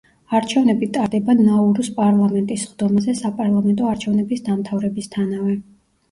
არჩევნები ტარდება ნაურუს პარლამენტის სხდომაზე საპარლამენტო არჩევნების დამთავრებისთანავე.